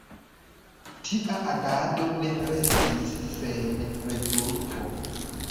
Tia agado ne restis sen rezulto.